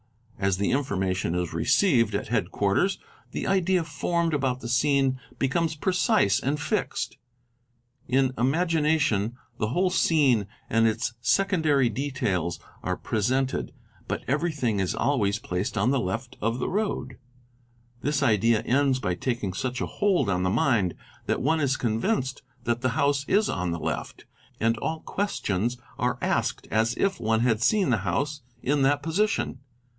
As the information is received at headquarters the idea formed about the scene becomes precise and fixed. In imagination the whole scene and its secondary details are presented, but every thing is always placed on the left of the road; this idea ends by taking such a hold on the mind that one is convinced that the house is on the left, and all questions are asked as if one had seen the house in that position.